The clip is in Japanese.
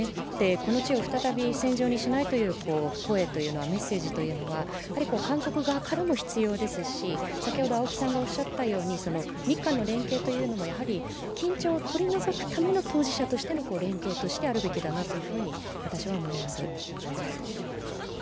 この地を再び戦場にしないという声というのはメッセージというのは韓国側からも必要ですし、日韓の連携というのもやはり緊張を取り除くための当事者としての連携としてあるべきだなと私は思います。